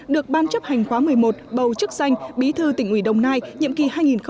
được ban chấp hành khóa một mươi một bầu chức danh bí thư tỉnh ủy đồng nai nhiệm kỳ hai nghìn hai mươi hai nghìn hai mươi năm